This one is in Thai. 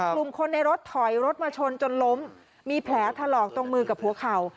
กลุ่มคนในรถถอยรถมาชนจนล้มมีแผลถลอกตรงมือกับหัวเข่า